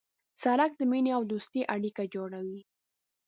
سړک د مینې او دوستۍ اړیکه جوړوي.